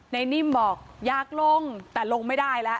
นิ่มบอกอยากลงแต่ลงไม่ได้แล้ว